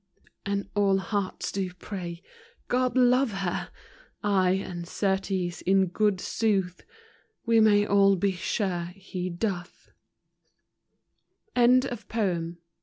And all hearts do pray, " God love her !" Ay, and certes, in good sooth, We may all be sure He Doth.